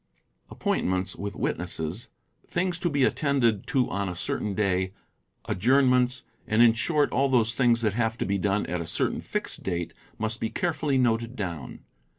Appointments with witnesses, things to be attended to on a certain day, adjournments, © and in short all those things that have to be done at a certain fixed date must be carefully noted down.